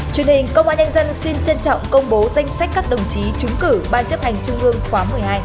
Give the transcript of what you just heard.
truyền hình công an nhân dân xin trân trọng công bố danh sách các đồng chí trúng cử ban chấp hành trung ương khóa một mươi hai